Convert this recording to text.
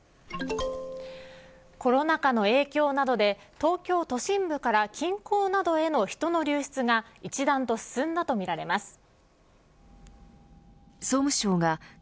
コロナ禍の影響などで東京都心部から近郊などへの人の流出が一段と進んだとみられます。